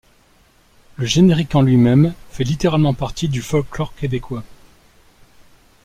Le générique en lui-même fait littéralement partie du folklore québécois.